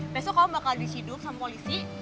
besok kamu bakal disiduk sama polisi